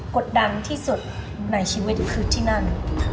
กดดันที่สุดไหนชิ้นไว้ทุกคืนที่นั่น